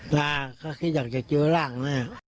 คิดว่าอยากจะเจอร่างนะ